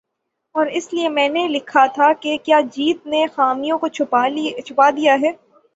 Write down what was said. اور اسی لیے میں نے لکھا تھا کہ "کیا جیت نے خامیوں کو چھپا دیا ہے ۔